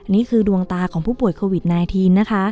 นี่คือดวงตาของผู้ป่วยโควิด๑๙นะคะ